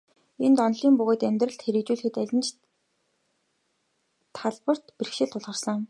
Энд, онолын болоод амьдралд хэрэгжүүлэх аль ч талбарт бэрхшээл тулгарсан.